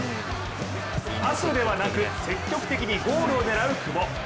パスではなく積極的にゴールを狙う久保。